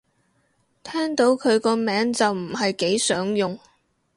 聽到佢個名就唔係幾想用